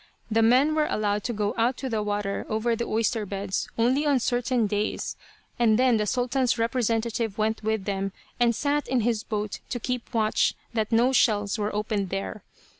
The men were allowed to go out to the water over the oyster beds only on certain days, and then the Sultan's representative went with them, and sat in his boat to keep watch that no shells were opened there.